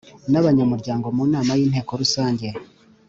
N abanyamuryango mu nama y inteko rusange